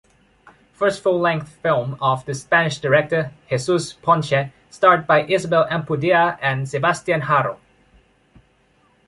First full-length film of the Spanish director Jesús Ponce starred by Isabel Ampudia and Sebastián Haro.